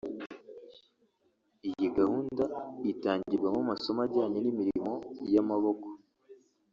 Iyi gahunda itangirwamo amasomo ajyanye n’imirimo y’amaboko